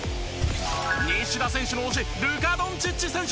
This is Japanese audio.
西田選手の推しルカ・ドンチッチ選手。